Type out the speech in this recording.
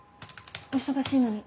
お忙しいのに。